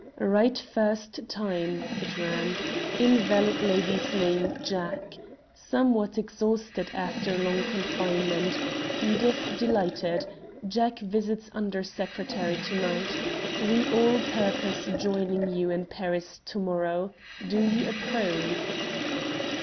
"Right first time," it ran. "Invalid lady's name 'Jack.' Somewhat exhausted, after long confinement. Edith delighted. Jack visits Under Secretary to night. We all purpose joining you in Paris to morrow. Do you approve?"